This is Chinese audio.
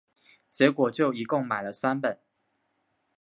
结果就一共买了三本